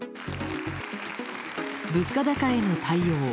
物価高への対応